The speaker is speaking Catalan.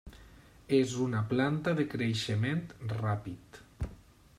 És una planta de creixement ràpid.